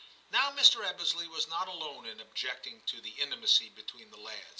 Now Mr. Ebbesley was not alone in objecting to the intimacy between the lads.